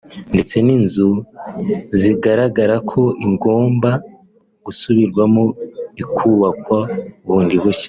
ndetse n’inzu bizagaragara ko igomba gusubirwamo ikubakwa bundi bushya